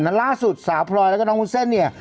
ล่าสุดสาวพลอยแล้วก็น้องวุ้นเส้นเนี่ย